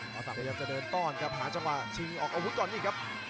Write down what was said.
ภาษังเรียกจะเดินต้อนครับหาจังหวะชิงออกอาวุธก่อนอีกครับ